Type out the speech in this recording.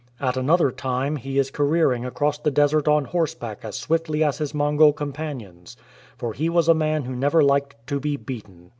At another time he is careering across the desert on horseback as swiftly as his Mongol companions, for he was a man who never liked to be beaten.